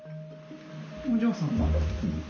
お嬢さんは？